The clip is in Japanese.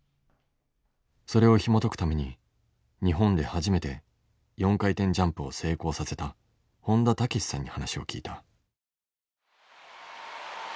それをひもとくために日本で初めて４回転ジャンプを成功させた本田武史さんに話を聞いた。